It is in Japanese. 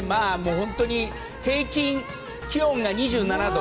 本当に平均気温が２７度。